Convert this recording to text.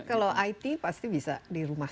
kalau it pasti bisa di rumah